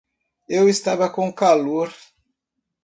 Eu estava com calor.